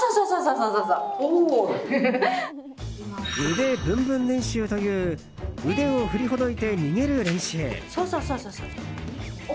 腕ブンブン練習という腕を振りほどいて逃げる練習。